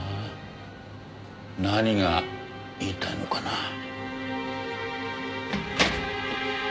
何が言いたいのかな？